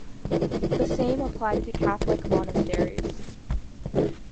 The same applied to Catholic monasteries.